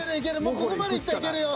ここまでいったらいけるよ。